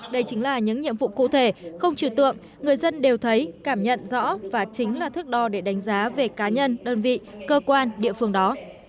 đây chính là những nhiệm vụ cụ thể không trừ tượng người dân đều thấy cảm nhận rõ và chính là thức đo để đánh giá về cá nhân đơn vị cơ quan địa phương đó